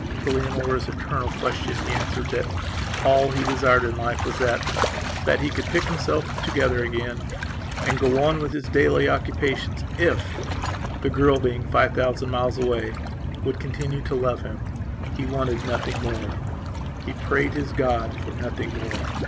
To Leonora's eternal question he answered that all he desired in life was thatthat he could pick himself together again and go on with his daily occupations ifthe girl, being five thousand miles away, would continue to love him. He wanted nothing more, He prayed his God for nothing more.